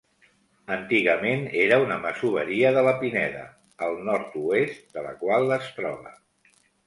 Antigament era una masoveria de la Pineda, al nord-oest de la qual es troba.